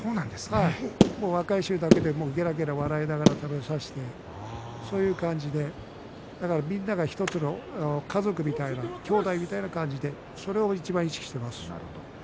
もう若い衆だけでげらげら笑いながら食べさせてそういう感じでみんなが１つの家族みたいなきょうだいみたいな感じでそれをいちばん意識しています。